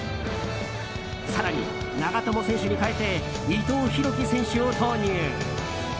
更に、長友選手に代えて伊藤洋輝選手を投入。